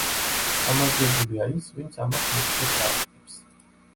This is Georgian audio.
გამარჯვებულია ის, ვინც ამას მეტჯერ გააკეთებს.